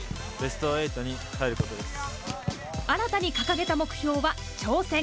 新たに掲げた目標は「挑戦」。